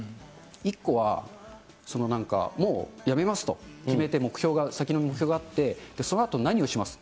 １個は、そのなんか、もうやめますと決めて、目標が、先の目標があって、そのあと何をします。